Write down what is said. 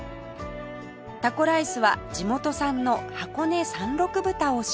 タコライスは地元産の箱根山麓豚を使用